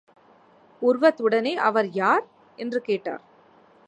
உர்வத் உடனே, அவர் யார்? என்று கேட்டார்.